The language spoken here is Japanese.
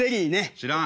知らん！